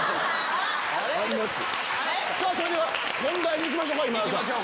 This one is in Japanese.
それでは本題に行きましょうか今田さん。